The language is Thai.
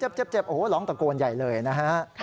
เจ็บโอ้โหร้องตะโกนใหญ่เลยนะฮะ